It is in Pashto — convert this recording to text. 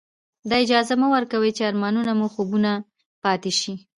دا اجازه مه ورکوئ چې ارمانونه مو خوبونه پاتې شي.